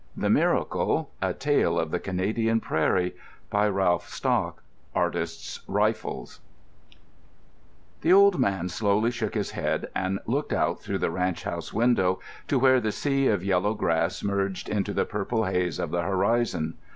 The Miracle A Tale of the Canadian Prairie By Ralph Stock Artists' Rifles The old man slowly shook his head and looked out through the ranch house window to where the sea of yellow grass merged into the purple haze of the horizon.